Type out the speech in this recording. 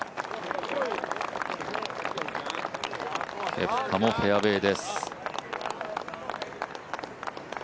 ケプカもフェアウエーです。